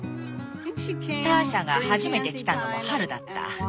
ターシャが初めて来たのも春だった。